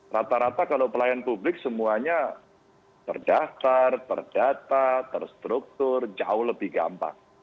rata rata kalau pelayan publik semuanya terdaftar terdata terstruktur jauh lebih gampang